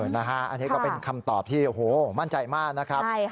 อันนี้ก็เป็นคำตอบที่โอ้โหมั่นใจมากนะครับ